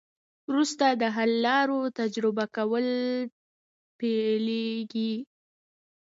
وروسته د حل لارو تجربه کول پیلیږي.